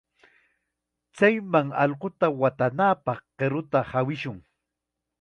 Chayman allquta watanapaq qiruta hawishun.